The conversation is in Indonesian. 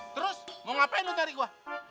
terus mau ngapain lo cari gue